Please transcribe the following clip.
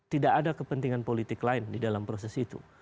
tidak ada kepentingan politik lain di dalam proses itu